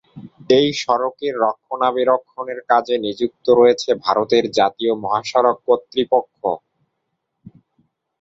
এই সড়কের রক্ষণাবেক্ষণের কাজে নিযুক্ত রয়েছে ভারতের জাতীয় মহাসড়ক কর্তৃপক্ষ।